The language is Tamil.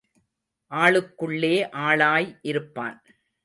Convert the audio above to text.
ஆளுக்குள்ளே ஆளாய் இருப்பான்.